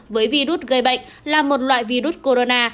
với virus gây bệnh là một loại virus corona